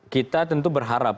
kita tentu berharap